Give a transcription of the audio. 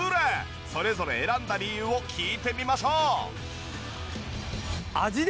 それぞれ選んだ理由を聞いてみましょう。